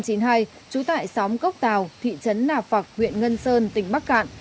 trú tại xóm cốc tàu thị trấn nà phạc huyện ngân sơn tỉnh bắc cạn